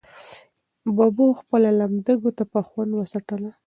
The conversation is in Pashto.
ببو خپله لمده ګوته په خوند وڅټله.